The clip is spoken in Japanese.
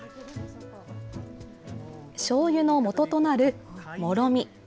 しょうゆのもととなる、もろみ。